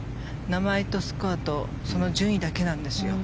名前とスコアとその順位だけなんですよ。